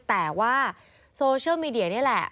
แต่ว่าโซเชียลมีเดียนี่แหละ